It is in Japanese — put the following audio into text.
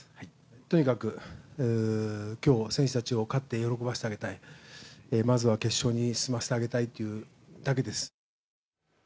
とにかく今日、選手たちを勝って喜ばせてあげたいまずは決勝に進ませてあげたいというだけです。